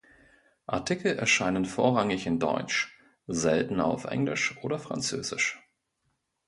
Artikel erscheinen vorrangig in Deutsch, seltener auf Englisch oder Französisch.